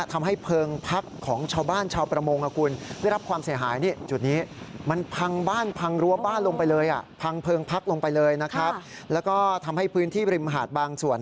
ทำให้เพลิงพักของชาวบ้านชาวประมง